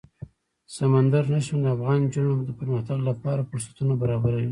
سمندر نه شتون د افغان نجونو د پرمختګ لپاره فرصتونه برابروي.